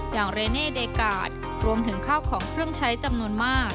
อย่างเรเน่เดกาสรวมถึงข้าวของเครื่องใช้จำนวนมาก